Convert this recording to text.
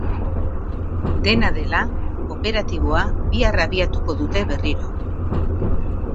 Dena dela, operatiboa bihar abiatuko dute berriro.